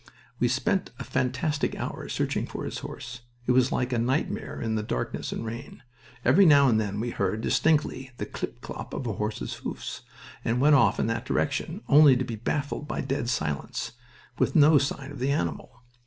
We spent a fantastic hour searching for his horse. It was like a nightmare in the darkness and rain. Every now and then we heard, distinctly, the klip klop of a horse's hoofs, and went off in that direction, only to be baffled by dead silence, with no sign of the animal.